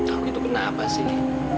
aku itu kenapa sih